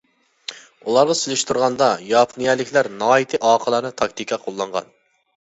ئۇلارغا سېلىشتۇرغاندا، ياپونىيەلىكلەر ناھايىتى ئاقىلانە تاكتىكا قوللانغان.